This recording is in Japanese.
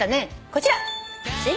こちら。